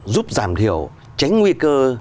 giúp giảm thiểu tránh nguy cơ